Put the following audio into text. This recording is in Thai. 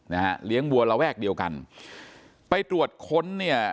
นะฮะเลี้ยงวัวระแวกเดียวกันไปตรวจค้นเนี่ย